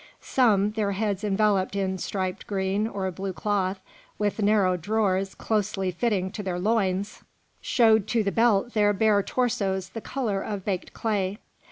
Some, their heads enveloped in striped green or blue cloth, with narrow drawers closely fitting to their loins, showed to the belt their bare torsos the colour of baked clay.